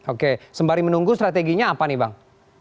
oke sembari menunggu strateginya apa nih bang